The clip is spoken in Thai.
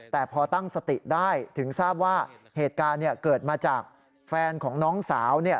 แต่พอตั้งสติได้ถึงทราบว่าเหตุการณ์เกิดมาจากแฟนของน้องสาว